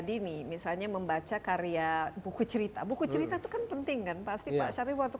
dini misalnya membaca karya buku cerita buku cerita itu kan penting kan pasti pak syarif waktu